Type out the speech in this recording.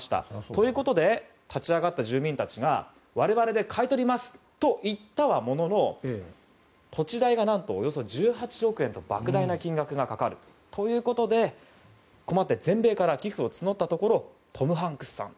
ということで立ち上がった住民たちが我々で買い取りますと言ったものの土地代が、およそ１８億円と莫大な金額がかかるということで困って全米から寄付を募ったところトム・ハンクスさん